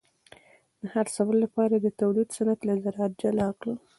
د خرڅلاو لپاره تولید صنعت له زراعت جلا کړ.